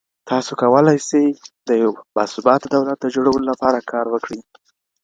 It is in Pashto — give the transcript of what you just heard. تاسو کولای سئ د یو باثباته دولت د جوړولو لپاره کار وکړئ.